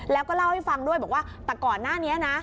แล้วก็เล่าให้ฟังด้วยบอกว่าแต่ก่อนหน้านี้นะ